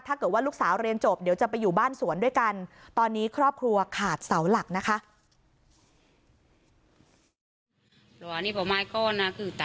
ถ้าเกิดว่าลูกสาวเรียนจบเดี๋ยวจะไปอยู่บ้านสวนด้วยกันตอนนี้ครอบครัวขาดเสาหลักนะคะ